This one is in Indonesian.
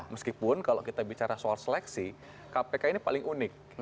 meskipun kalau kita bicara soal seleksi kpk ini paling unik